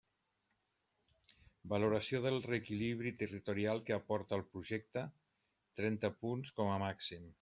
Valoració del reequilibri territorial que aporta el projecte, trenta punts com a màxim.